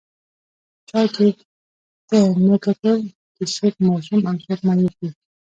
چا دې ته نه کتل چې څوک ماشوم او څوک معیوب دی